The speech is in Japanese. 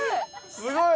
「すごい！」